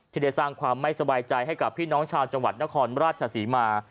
ที่ได้สร้างความไม่สบายใจให้กับพี่น้องชาวจังหวัดนครราชศรีมา